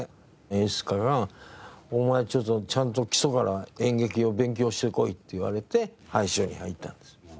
演出家が「お前ちょっとちゃんと基礎から演劇を勉強してこい」って言われて俳小に入ったんです。